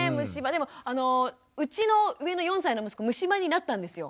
でもうちの上の４歳の息子虫歯になったんですよ。